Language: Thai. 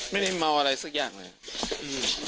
ไม่มีมัวอะไรสักอย่างเลย